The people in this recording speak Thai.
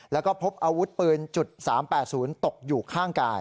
แล้วก็พบอาวุธปืน๓๘๐ตกอยู่ข้างกาย